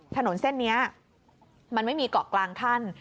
ถนนเส้นนี้มันไม่มีเกาะกลางขั้น